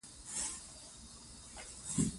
تعلیم نجونو ته د خپل هیواد تاریخ ور زده کوي.